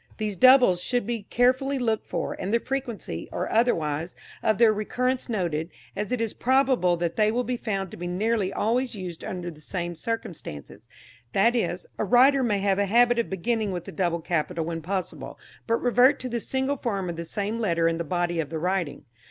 These doubles should be carefully looked for, and the frequency, or otherwise, of their recurrence noted, as it is probable they will be found to be nearly always used under the same circumstances; that is, a writer may have a habit of beginning with a double capital when possible, but revert to the single form of the same letter in the body of the writing.